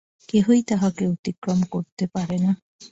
কেহই তাঁহাকে অতিক্রম করিতে পারে না।